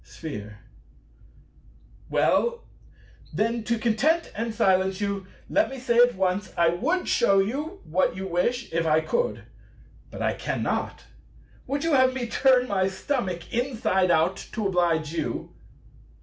Sphere. Well, then, to content and silence you, let me say at once, I would shew you what you wish if I could; but I cannot. Would you have me turn my stomach inside out to oblige you?